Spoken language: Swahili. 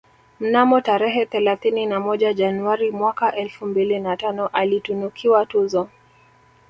Mnamo tarehe thelathini na moja Januari mwaka elfu mbili na tano alitunukiwa tuzo